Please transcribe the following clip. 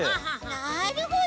なるほど！